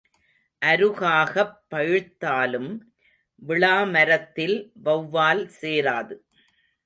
அருகாகப் பழுத்தாலும் விளாமரத்தில் வெளவால் சேராது.